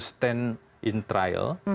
apakah orang tersebut fit untuk berada di trial